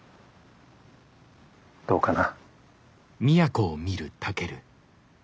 どうかな？